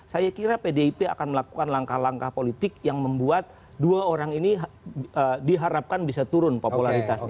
saya kira pdip akan melakukan langkah langkah politik yang membuat dua orang ini diharapkan bisa turun popularitasnya